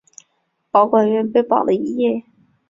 保管员被绑了一夜。